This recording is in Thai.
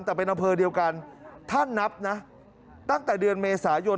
แต่เป็นอำเภอเดียวกันถ้านับนะตั้งแต่เดือนเมษายน